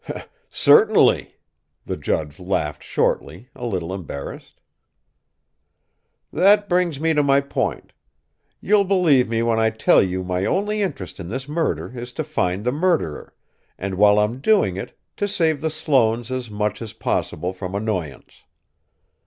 "Certainly." The judge laughed shortly, a little embarrassed. "That brings me to my point. You'll believe me when I tell you my only interest in this murder is to find the murderer, and, while I'm doing it, to save the Sloanes as much as possible from annoyance.